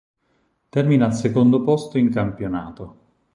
Termina al secondo posto in campionato.